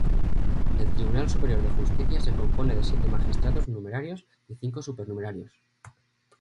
El Tribunal Superior de Justicia se compone de siete magistrados numerarios y cinco supernumerarios.